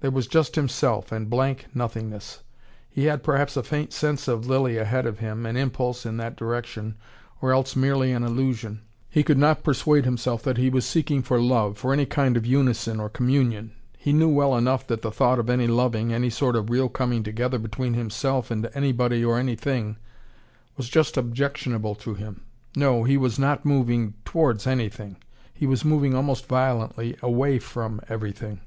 There was just himself, and blank nothingness. He had perhaps a faint sense of Lilly ahead of him; an impulse in that direction, or else merely an illusion. He could not persuade himself that he was seeking for love, for any kind of unison or communion. He knew well enough that the thought of any loving, any sort of real coming together between himself and anybody or anything, was just objectionable to him. No he was not moving towards anything: he was moving almost violently away from everything.